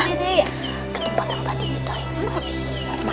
kita ke tempat yang tadi kita ingin mas